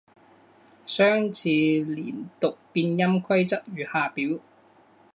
双字连读变音规则如下表。